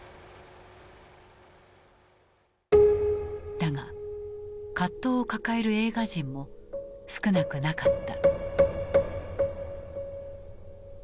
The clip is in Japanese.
だが葛藤を抱える映画人も少なくなかった。